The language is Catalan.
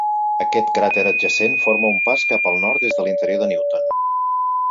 Aquest cràter adjacent forma un pas cap al nord des de l'interior de Newton.